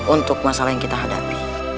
untuk masalah yang kita hadapi